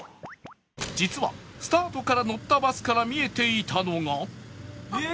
実はスタートから乗ったバスから見えていたのが